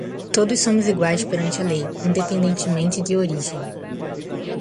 Todos somos iguais perante a lei, independentemente de origem.